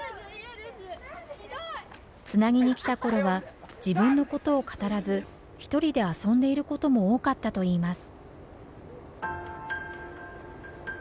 つなぎに来た頃は自分のことを語らず一人で遊んでいることも多かったといいます。